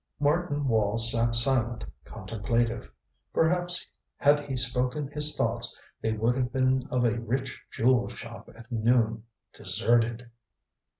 Martin Wall sat silent, contemplative. Perhaps had he spoken his thoughts they would have been of a rich jewel shop at noon deserted.